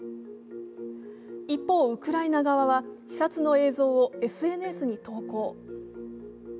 一方、ウクライナ側は視察の映像をＳＮＳに投稿。